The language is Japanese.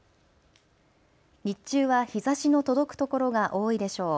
日中は日ざしの届く所が多いでしょう。